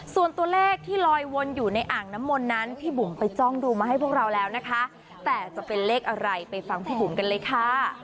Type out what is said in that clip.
ส่วนตัวเลขที่ลอยวนอยู่ในอ่างน้ำมนต์นั้นพี่บุ๋มไปจ้องดูมาให้พวกเราแล้วนะคะแต่จะเป็นเลขอะไรไปฟังพี่บุ๋มกันเลยค่ะ